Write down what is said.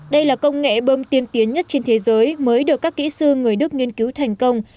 đây là công nghệ bơm tiên tiến nhất trên thế giới mới được các kỹ sư người đức nghiên cứu thành công